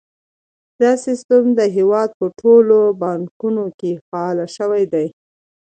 دا سیستم د هیواد په ټولو بانکونو کې فعال شوی دی۔